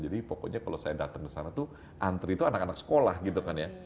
jadi pokoknya kalau saya datang ke sana tuh antri itu anak anak sekolah gitu kan ya